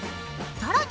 さらに